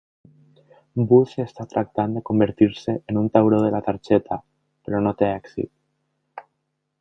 Booth està tractant de convertir-se en un "tauró de la targeta", però no té èxit.